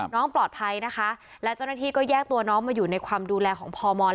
น้องปลอดภัยนะคะและจุดน้องยกตัวมันมาอยู่ความดูแลของพ่อมอนด์